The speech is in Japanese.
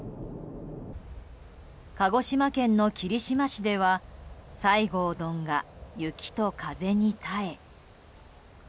鹿児島県の霧島市では西郷どんが雪と風に耐え。